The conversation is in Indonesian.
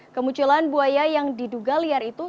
kemunculan buaya yang diduga liar itu